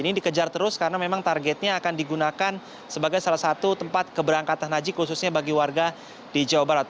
ini dikejar terus karena memang targetnya akan digunakan sebagai salah satu tempat keberangkatan haji khususnya bagi warga di jawa barat